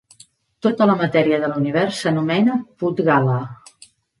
Tota la matèria de l'univers s'anomena Pudgala.